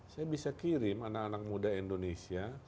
saya bisa kirim anak anak muda indonesia